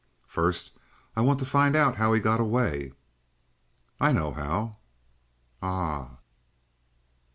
"First, I want to find out how he got away." "I know how." "Ah?"